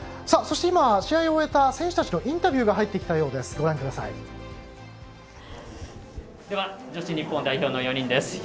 そして、試合を終えた選手たちのインタビューが入ってきたようです。